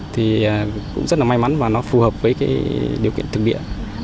thì cũng rất là may mắn và nó phù hợp với cái điều kiện thực địa